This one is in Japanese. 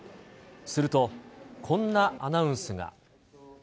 すると、こんなアナウンスが。